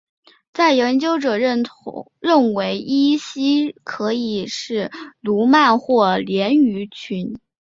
有研究者认为依西可能是鲈鳗或鲢鱼群。